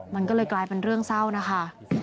มันก็เลยกลายเป็นเรื่องเศร้านะคะ